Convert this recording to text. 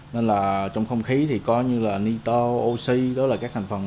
nên là trong không khí thì có như là nitro oxy đó là các thành phần